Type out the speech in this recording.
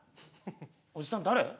おじさん誰？